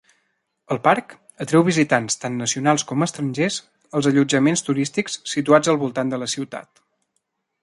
El parc atreu visitants tant nacionals com estrangers als allotjaments turístics situats al voltant de la ciutat.